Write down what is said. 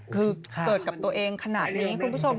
คือเกิดกับตัวเองขนาดนี้คุณผู้ชม